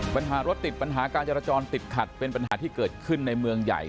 ปัญหารถติดปัญหาการจราจรติดขัดเป็นปัญหาที่เกิดขึ้นในเมืองใหญ่